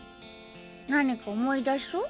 何か思い出しそう？